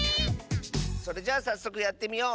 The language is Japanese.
それじゃあさっそくやってみよう！